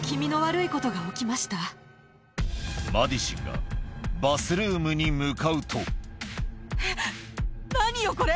マディシンがバスルームに向かうとえっ何よこれ！